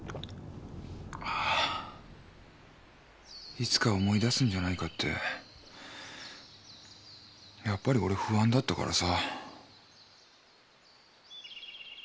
いつか思い出すんじゃないかってやっぱり俺不安だったからさ。